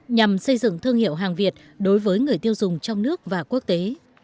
nhằm xây dựng thương hiệu hàng việt đối với người tiêu dùng trong nước và quốc tế